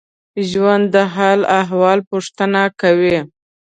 ژوندي د حال احوال پوښتنه کوي